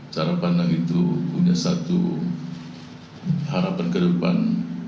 cara pandang itu punya satu harapan kedepan